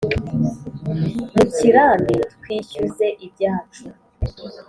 Mu kirambi twishyuze ibyacu